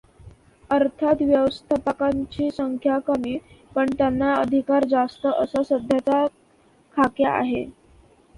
अर्थात व्यवस्थापकांची संख्या कमी, पण त्यांना अधिकार जास्त असा सध्याचा खाक्या आहे.